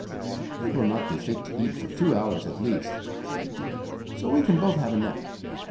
'It will not be fit to eat for two hours at least,' said Gudu, 'so we can both have a nap.